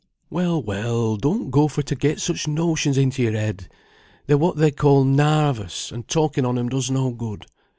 "Well, well, don't go for to get such notions into your head; they're what they call 'narvous,' and talking on 'em does no good.